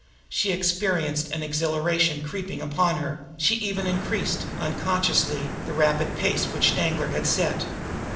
She experienced an exhilaration creeping upon her; she even increased, unconsciously, the rapid pace which Danglar had set.